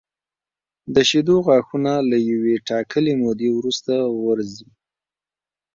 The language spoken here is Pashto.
د شېدو غاښونه له یوې ټاکلې مودې وروسته غورځي.